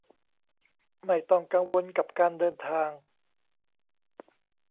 ไม่ต้องกังวลกับการเดินทาง